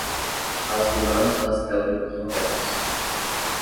As vilãs das telenovelas